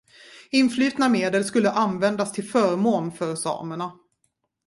Influtna medel skulle användas till förmån för samerna.